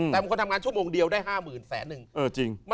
แต่คนทำงานชั่วโมงเดียวได้๕หมื่นแสนนึง